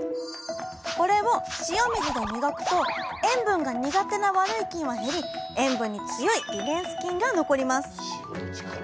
これを塩水で磨くと塩分が苦手な悪い菌は減り塩分に強いリネンス菌が残ります。